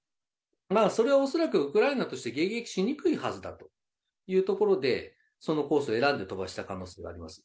それは恐らくウクライナとして迎撃しにくいはずだというところで、そのコースを選んで飛ばした可能性があります。